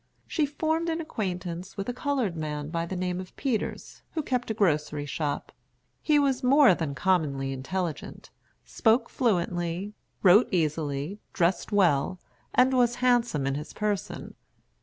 She formed an acquaintance with a colored man by the name of Peters, who kept a grocery shop. He was more than commonly intelligent, spoke fluently, wrote easily, dressed well, and was handsome in his person.